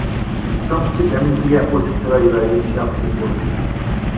چوڭ-كىچىك ھەممىسىگە ئوچۇق چىراي ۋە يۇمشاق سۆز بولۇش.